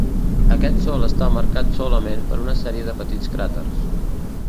Aquest sòl està marcat solament per una sèrie de petits cràters.